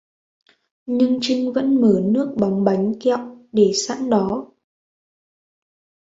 nhưng Trinh vẫn mở nước bóc bánh kẹo để sẵn đó